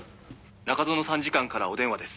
「中園参事官からお電話です」